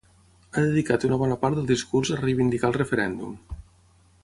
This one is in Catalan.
Ha dedicat una bona part del discurs a reivindicar el referèndum.